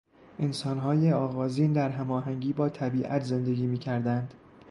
انسانهای آغازین در هماهنگی با طبیعت زندگی میکردند.